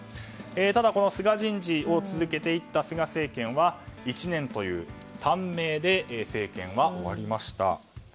ただ、菅人事を続けていった菅政権は１年という短命で政権は終わりました。